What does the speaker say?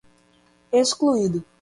excluído